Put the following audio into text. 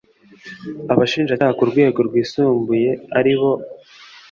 Abashinjacyaha ku rwego rwisumbuye aribo